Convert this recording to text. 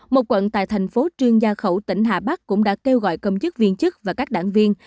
một quận tại thành phố trương gia khẩu tỉnh hà bắc cũng đã kêu gọi công chức viên chức và các đảng viên